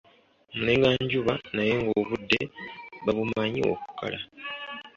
Mulenganjuba naye ng'obudde babumanyi okukala.